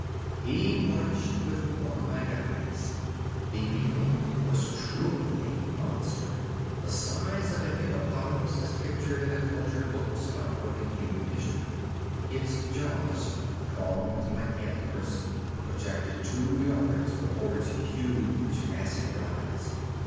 He watched with wide eyes. The beetle was truly a monster, the size of a hippopotamus as pictured in the culture books about early human history. Its jaws, pronged like antlers, projected two yards before its huge, faceted eyes.